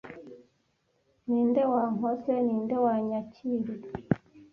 ninde wankoze ninde wanyakiriye